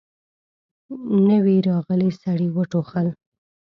نوي راغلي سړي وټوخل.